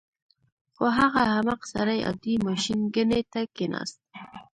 خو هغه احمق سړی عادي ماشینګڼې ته کېناست